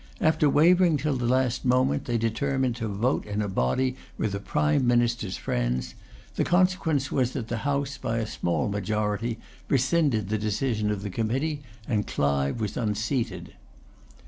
After wavering till the last moment, they determined to vote in a body with the Prime Minister's friends. The consequence was that the House, by a small majority, rescinded the decision of the committee, and Clive was unseated.